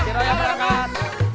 ciro yang berangkat